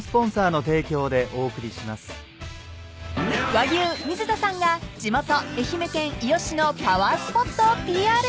［和牛水田さんが地元愛媛県伊予市のパワースポットをＰＲ］